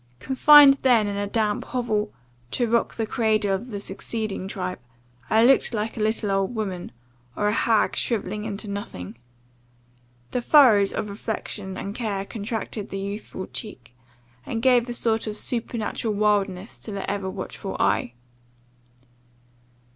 Confined then in a damp hovel, to rock the cradle of the succeeding tribe, I looked like a little old woman, or a hag shrivelling into nothing. The furrows of reflection and care contracted the youthful cheek, and gave a sort of supernatural wildness to the ever watchful eye.